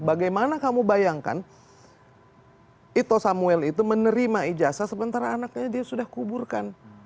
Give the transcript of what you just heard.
bagaimana kamu bayangkan ito samuel itu menerima ijazah sementara anaknya dia sudah kuburkan